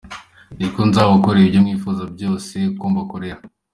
Niko nzabakorera ibyo mwifuza byose ko mbakorera.